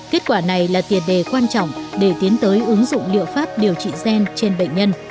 kết quả này là tiền đề quan trọng để tiến tới ứng dụng liệu pháp điều trị gen trên bệnh nhân